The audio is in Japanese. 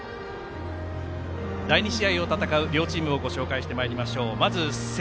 第２試合を戦う両チームを紹介してまいりましょう。